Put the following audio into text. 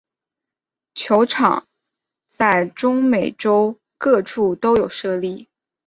蹴球场在中美洲各处都有设立。